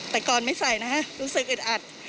แต่ก่อนไม่ใส่นะฮะรู้สึกอึดอัด